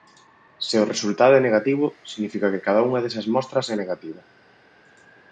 Se o resultado é negativo significa que cada unha desas mostras é negativa.